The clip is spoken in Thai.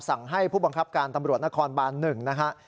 สั่งให้ผู้บังคับการตำรวจนครบานหนึ่งนะครับ